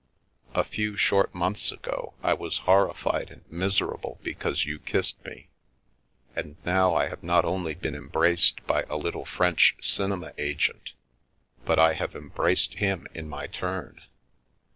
A few short months ago I was horrified and miserable because you kissed me, and now I have not only been embraced by a little French cinema agent, but I have embraced him in my turn